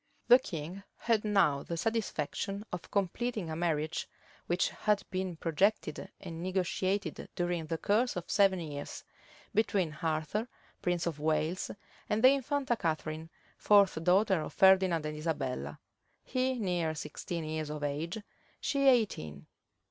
The king had now the satisfaction of completing a marriage, which had been projected and negotiated during the course of seven years, between Arthur, prince of Wales, and the infanta Catharine, fourth daughter of Ferdinand and Isabella; he near sixteen years of age, she eighteen.